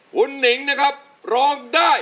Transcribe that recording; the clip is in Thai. คุณหนิงนะครับร้องได้